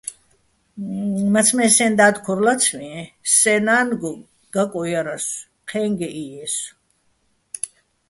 მაცმე́ სეჼ და́დ ქორ ლაცვიეჼ, სეჼ ნა́ნგო გაკო ჲარასო̆, ჴე́ნგეჸ ჲიესო̆.